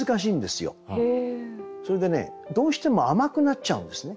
それでねどうしても甘くなっちゃうんですね。